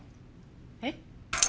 えっ？